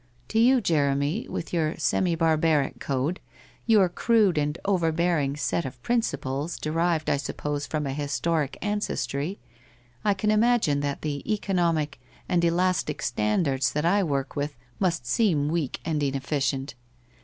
' To you, Jeremy, with your semi barbaric code, your crude and overbearing set of prin ciples, derived, I suppose, from a historic ancestry, I can imagine that the economic and elastic standards that I work with must seem weak and inefficient.